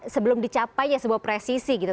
sebelum dicapainya sebuah presisi gitu